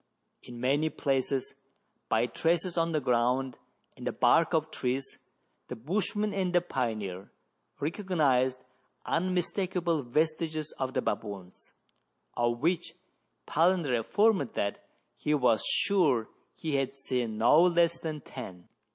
In many places, by traces on the ground and the bark of the trees, the bushman and the pioneer recognized unmis takable vestiges of the baboons, of which Palander affirmed that he was sure he had seen no less than ten.